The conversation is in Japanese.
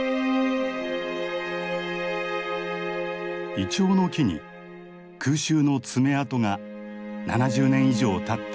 イチョウの木に空襲の爪痕が７０年以上たった